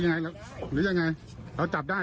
ใช่ครับวันนี้ผมยังไม่ทำได้